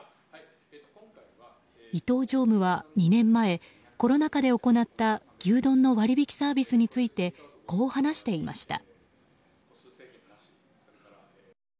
伊東常務は２年前コロナ禍で行った牛丼の割引きサービスについてこう話していました。